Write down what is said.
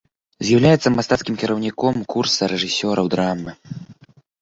З'яўляецца мастацкім кіраўніком курса рэжысёраў драмы.